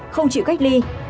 không chịu cách ly